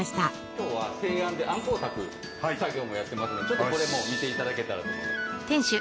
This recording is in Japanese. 今日は製あんであんこを炊く作業もやってますのでちょっとこれも見ていただけたらと。